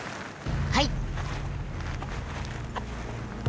はい！